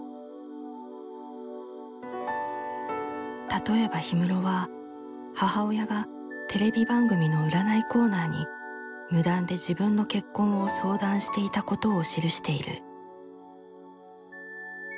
例えば氷室は母親がテレビ番組の占いコーナーに無断で自分の結婚を相談していたことを記している。